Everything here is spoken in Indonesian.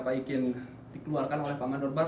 apalagi sejak pak ikin dikeluarkan oleh pak mandor barnas